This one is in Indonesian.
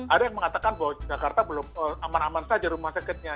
ada yang mengatakan bahwa jakarta belum aman aman saja rumah sakitnya